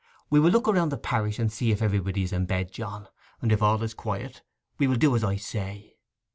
We will look round the parish and see if everybody is in bed, John; and if all is quiet, we will do as I say.